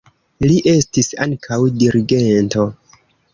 Li estis ankaŭ dirigento.